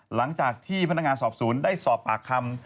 หลังจากที่พนักงานสอบศูนย์ได้สอบอาคัม